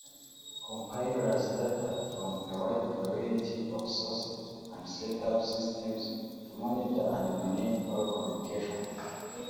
Compiles data from a wide variety of sources and set up systems to monitor and manage all communication